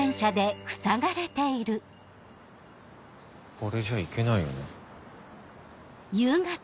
これじゃ行けないよな。